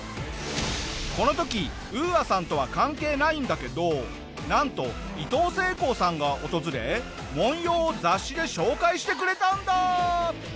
この時ＵＡさんとは関係ないんだけどなんといとうせいこうさんが訪れ文様を雑誌で紹介してくれたんだ！